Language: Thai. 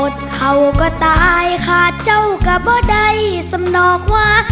เขาก็ตายค่ะเจ้าก็บ่ได้สำนอกว่า